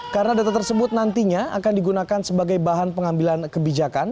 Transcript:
karena data tersebut nantinya akan digunakan sebagai bahan pengambilan kebijakan